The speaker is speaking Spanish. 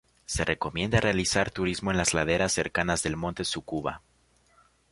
Se recomienda realizar turismo en las laderas cercanas del monte Tsukuba.